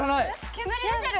煙出てる。